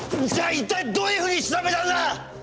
じゃあ一体どういうふうに調べたんだ！